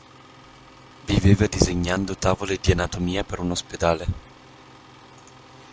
Viveva disegnando tavole di anatomia per un ospedale.